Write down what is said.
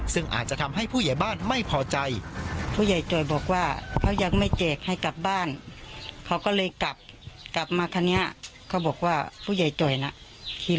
ซึ่งอาจจะทำให้ผู้ใหญ่บ้านไม่พอใจ